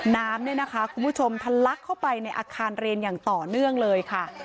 น้ำเนี่ยนะคะคุณผู้ชมทะลักเข้าไปในอาคารเรียนอย่างต่อเนื่องเลยค่ะ